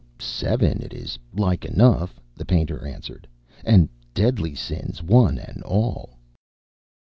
"Seven, it is like enough," the painter answered, "and deadly sins one and all."